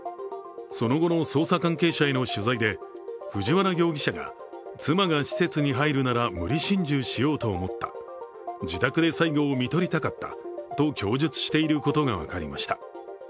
その後の捜査関係者への取材で、藤原容疑者が妻が施設に入るなら無理心中しようと思った、自宅で最期をみとりたかったと供述していることが分かりました。